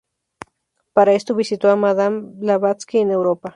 Para esto visitó a Madame Blavatsky en Europa.